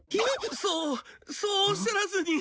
そうそうおっしゃらずに。